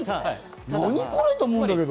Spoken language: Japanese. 何これと思うんだけど。